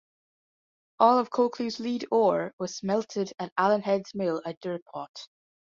All of Coalcleugh's lead ore was smelted at Allenheads Mill at Dirtpot.